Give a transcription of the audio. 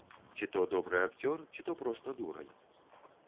Ці то добры акцёр, ці то проста дурань.